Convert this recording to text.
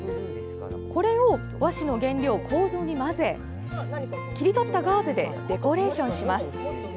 これを和紙の原料、こうぞに混ぜ切り取ったガーゼでデコレーションします。